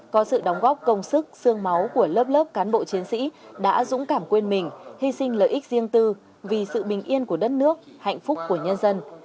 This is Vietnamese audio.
công sức sương máu của lớp lớp cán bộ chiến sĩ đã dũng cảm quên mình hy sinh lợi ích riêng tư vì sự bình yên của đất nước hạnh phúc của nhân dân